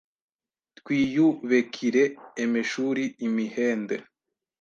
twiyubekire emeshuri, imihende